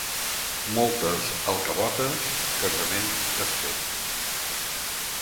Moltes alcavotes, casament desfet.